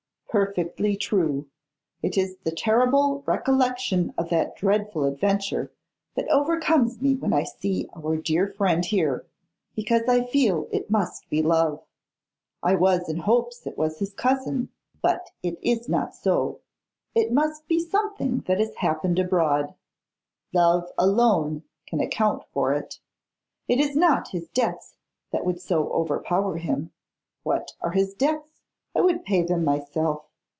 'Perfectly true. It is the terrible recollection of that dreadful adventure that overcomes me when I see our dear friend here, because I feel it must be love. I was in hopes it was his cousin. But it is not so; it must be something that has happened abroad. Love alone can account for it. It is not his debts that would so overpower him. What are his debts? I would pay them myself.